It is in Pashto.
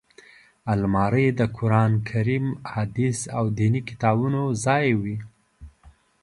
الماري د قران کریم، حدیث او ديني کتابونو ځای وي